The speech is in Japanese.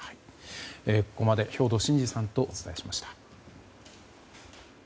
ここまで兵頭慎治さんとお伝えしました。